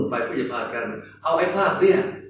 เอาไอเภคภาครัมากไหน